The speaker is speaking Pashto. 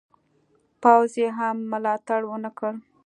پوځ یې هم ملاتړ ونه کړ.